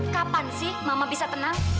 kapan sih mama bisa tenang